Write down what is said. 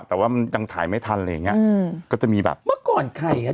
แต่ว่ามันยังถ่ายไม่ทันอะไรอย่างเงี้ยอืมก็จะมีแบบเมื่อก่อนใครอ่ะ